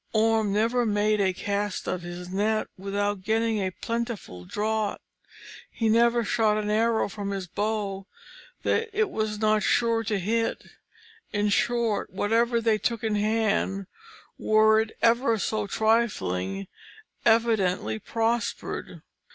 Orm never made a cast of his net without getting a plentiful draught; he never shot an arrow from his bow that it was not sure to hit; in short, whatever they took in hand, were it ever so trifling, evidently prospered.